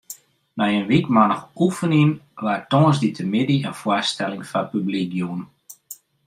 Nei in wykmannich oefenjen waard tongersdeitemiddei in foarstelling foar publyk jûn.